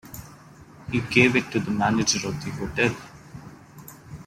He gave it to the manager of the hotel.